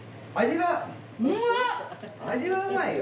味はうまいよ。